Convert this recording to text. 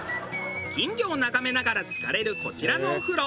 金魚を眺めながらつかれるこちらのお風呂。